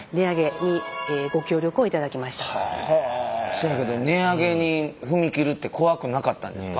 せやけど値上げに踏み切るって怖くなかったんですか？